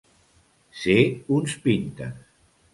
Ser uns pintes.